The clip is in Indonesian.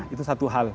itu satu hal